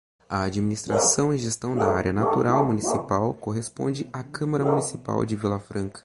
A administração e gestão da área natural municipal corresponde à Câmara Municipal de Vilafranca.